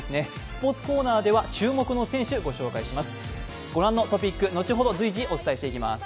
スポーツコーナーでは注目の選手ご紹介します。